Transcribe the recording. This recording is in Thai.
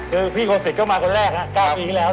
คือพี่โคสิตก็มาคนแรกนะครับ๙ปีที่แล้วนะ